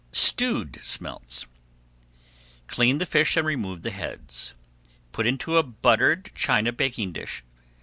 STEWED SMELTS Clean the fish and remove the heads. Put into a buttered china baking dish.